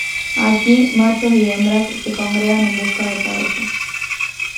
Aquí, machos y hembras se congregan en busca de pareja.